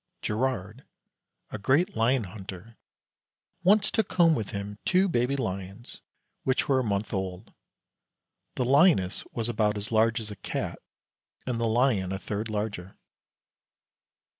Girard, a great lion hunter, once took home with him two baby lions which were a month old. The lioness was about as large as a cat and the lion a third larger.